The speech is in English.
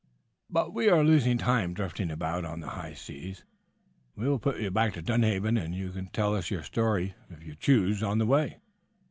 But we are losing time drifting about on the high seas. We will put back to Dunhaven, and you can tell us your story, if you choose, on the way."